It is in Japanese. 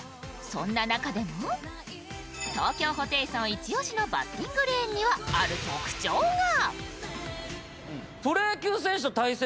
そんな中でも東京ホテイソン一押しのバッティングレーンにはある特徴が。